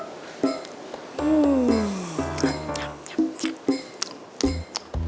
cuk cuk cuk